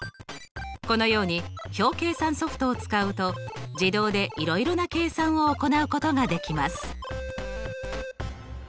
このように表計算ソフトを使うと自動でいろいろな計算を行うことができます。